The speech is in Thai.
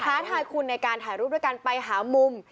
ท้าทายคุณในการถ่ายรูปด้วยการไปหามุม